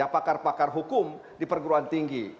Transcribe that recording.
pakar pakar hukum di perguruan tinggi